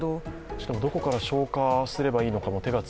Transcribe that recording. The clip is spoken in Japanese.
しかもどこから消火していいかも。